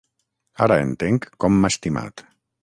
Ara entenc com m'ha estimat.